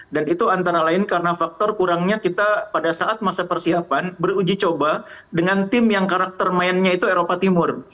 dan itu antara lain karena faktor kurangnya kita pada saat masa persiapan beruji coba dengan tim yang karakter mainnya itu eropa timur